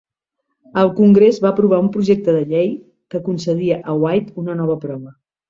El Congrés va aprovar un projecte de llei que concedia a White una nova prova.